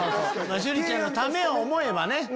シュリちゃんのためを思えばね。